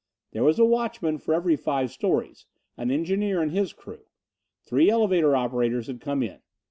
There was a watchman for every five stories. An engineer and his crew. Three elevator operators had come in.